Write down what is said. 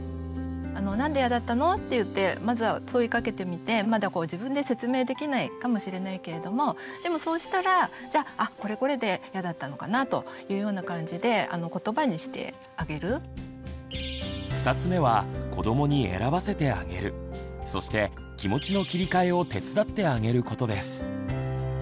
「何でイヤだったの？」って言ってまずは問いかけてみてまだ自分で説明できないかもしれないけれどもでもそうしたら「じゃあこれこれでイヤだったのかな」というような感じで２つ目は子どもに選ばせてあげるそして気持ちの切り替えを手伝ってあげることです。